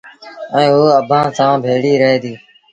ائيٚݩٚ اوٚ اڀآنٚ سآݩٚ ڀيڙيٚ رهي ديٚ